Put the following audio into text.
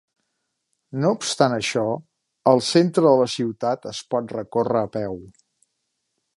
No obstant això, el centre de la ciutat es pot recórrer a peu.